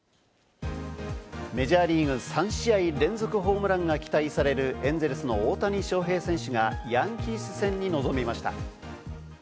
メジャーリーグ３試合連続ホームランが期待されるエンゼルスの大谷翔平選手がヤンキース戦に臨みました。